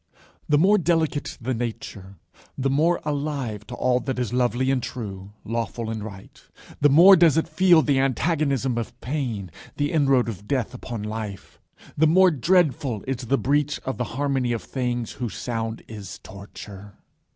The more delicate the nature, the more alive to all that is lovely and true, lawful and right, the more does it feel the antagonism of pain, the inroad of death upon life; the more dreadful is that breach of the harmony of things whose sound is torture.